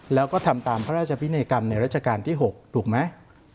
แล้วก็ทำตามพระราชพินัยกรรมในราชการที่๖ถูกไหม